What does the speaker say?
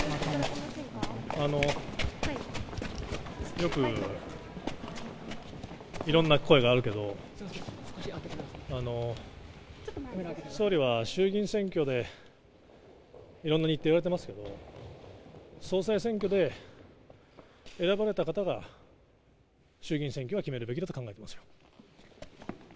よくいろんな声があるけど、総理は衆議院選挙で、いろんな日程いわれてますけど、総裁選挙で選ばれた方が、衆議院選挙は決めるべきだと考えています。